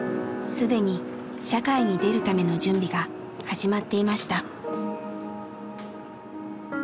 既に社会に出るための準備が始まっていました。